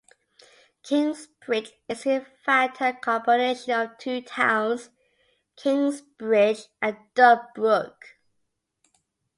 Kingsbridge is in fact a combination of two towns, Kingsbridge and Dodbrooke.